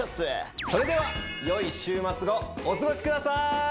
それではよい週末をお過ごしください！